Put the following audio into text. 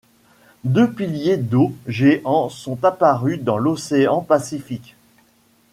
Deux piliers d'eau géants sont apparus dans l'océan Pacifique.